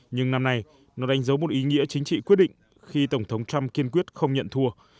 nhưng năm nay nó đánh dấu một ý nghĩa chính trị quyết định khi tổng thống trump kiên quyết không nhận thua